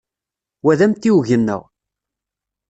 Wa d amtiweg-nneɣ.